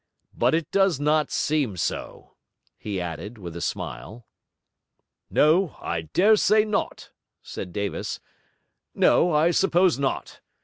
'But it does not seem so,' he added, with a smile. 'No, I dare say not,' said Davis. 'No, I suppose not.